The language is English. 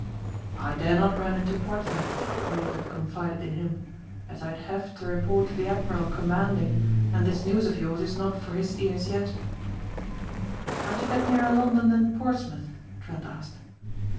"I dare not run into Portsmouth," Maitland confided in him, "as I'd have to report to the Admiral commanding and this news of yours is not for his ears yet." "Can't you get nearer London than Portsmouth?" Trent asked.